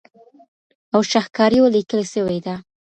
او شهکاریو لیکلې سوې ده